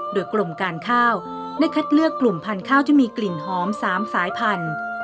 โดยกรมการข้าวได้คัดเลือกกลุ่มพันธุ์ข้าวที่มีกลิ่นหอม๓สายพันธุ์